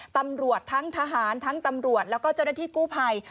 ตำรวจทั้งทหารทั้งตำรวจแล้วก็เจ้าหน้าที่กู้ภัย